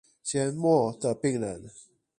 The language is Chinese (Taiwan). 緘默的病人